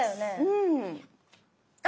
うん。